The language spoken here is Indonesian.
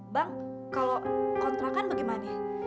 bang kalau kontrakan bagaimana